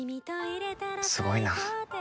すごいな。